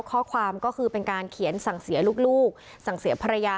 ข้อความก็คือเป็นการเขียนสั่งเสียลูกสั่งเสียภรรยา